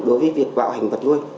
đối với việc bạo hành vật nuôi